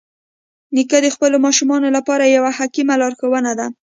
نیکه د خپلو ماشومانو لپاره یوه حکیمه لارښوونه ده.